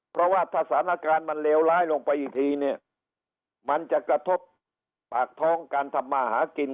เพราะว่าถ้าสถานการณ์มันเลวร้ายลงไปอีกทีเนี่ยมันจะกระทบปากท้องการทำมาหากิน